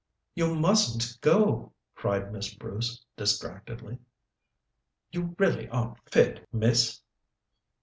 "You mustn't go!" cried Miss Bruce distractedly. "You really aren't fit, Miss."